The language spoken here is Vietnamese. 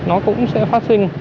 nó cũng sẽ phát sinh